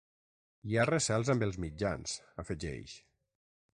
Hi ha recels amb els mitjans, afegeix.